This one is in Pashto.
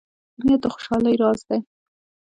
ښه نیت د خوشحالۍ راز دی.